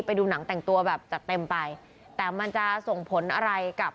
ไปดูหนังแต่งตัวแบบจัดเต็มไปแต่มันจะส่งผลอะไรกับ